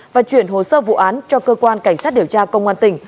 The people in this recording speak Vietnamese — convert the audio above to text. và chuyển hồ sơ vụ án cho cơ quan cảnh sát điều tra công an tỉnh